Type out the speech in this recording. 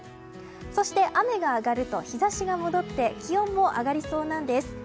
そして雨が上がると日差しが戻って気温も上がりそうなんです。